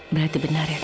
berarti benar ya bu